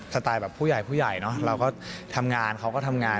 ไตล์แบบผู้ใหญ่ผู้ใหญ่เนอะเราก็ทำงานเขาก็ทำงาน